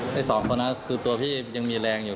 เดี๋ยวสองคนคือตัวพี่ยังมีแรงอยู่